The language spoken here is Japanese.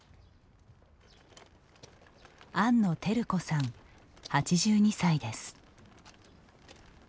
安野輝子さん、８２歳です。